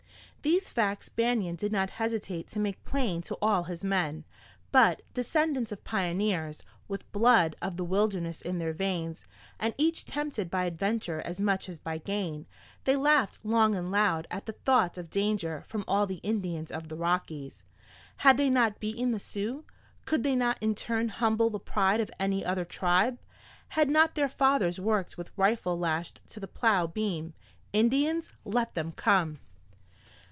These facts Banion did not hesitate to make plain to all his men; but, descendants of pioneers, with blood of the wilderness in their veins, and each tempted by adventure as much as by gain, they laughed long and loud at the thought of danger from all the Indians of the Rockies. Had they not beaten the Sioux? Could they not in turn humble the pride of any other tribe? Had not their fathers worked with rifle lashed to the plow beam? Indians? Let them come!